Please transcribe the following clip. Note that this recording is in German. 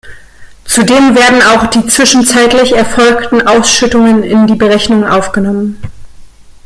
Zudem werden auch die zwischenzeitlich erfolgten Ausschüttungen in die Berechnung aufgenommen.